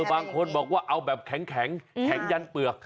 บางคนบอกว่าเอาแบบแข็งแข็งยันเปลือก